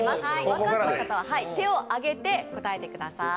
分かった方は手を挙げて答えてください。